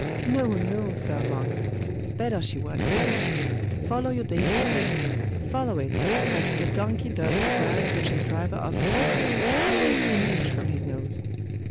No, no, sir monk! Better she were dead!.... Follow your dainty bait! follow it, as the donkey does the grass which his driver offers him, always an inch from his nose....